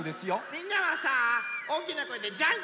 みんなはさおおきなこえで「ジャンジャン」ってよんで。